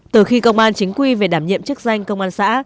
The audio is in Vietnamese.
từ khi công an chính quy về đảm nhiệm chức danh công an xã